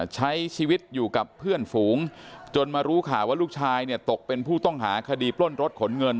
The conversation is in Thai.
ใช้ชีวิตอยู่กับเพื่อนฝูงจนมารู้ข่าวว่าลูกชายเนี่ยตกเป็นผู้ต้องหาคดีปล้นรถขนเงิน